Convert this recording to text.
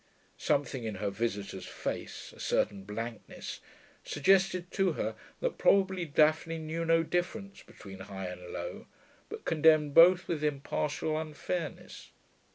Something in her visitor's face, a certain blankness, suggested to her that probably Daphne knew no difference between high and low, but condemned both with impartial unfairness.